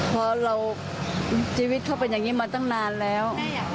เพราะเราชีวิตเขาเป็นอย่างนี้มาตั้งนานแล้ว